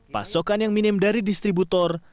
pasokan yang minim dari distributor